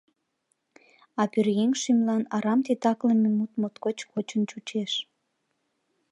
А пӧръеҥ шӱмлан арам титаклыме мут моткоч кочын чучеш.